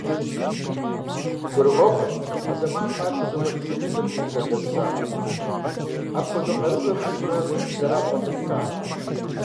Гурыӏуэгъуэщ а зэманым ар хузэфӏэкӏыну жылэм зыри зэрыдэмысар, апхуэдэ къарурэ мылъкурэ зэрабгъэдэмылъар.